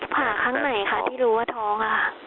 ผ่าครั้งไหนค่ะที่รู้ว่าท้องค่ะ